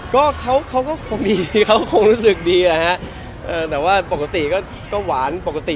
ก็เขาเขาก็คงดีเขาคงรู้สึกดีอะฮะแต่ว่าปกติก็หวานปกติ